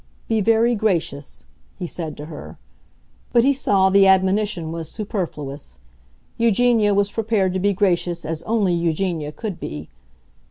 "Be very gracious," he said to her. But he saw the admonition was superfluous. Eugenia was prepared to be gracious as only Eugenia could be.